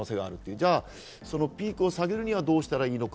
じゃあピークを下げるにはどうしたらいいのか。